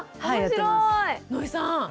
野井さん